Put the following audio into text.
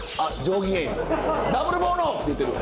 「ダブルボーノ」って言ってるわ。